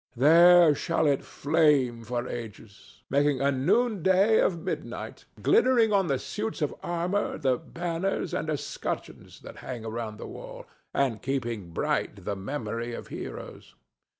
There shall it flame for ages, making a noonday of midnight, glittering on the suits of armor, the banners and escutcheons, that hang around the wall, and keeping bright the memory of heroes.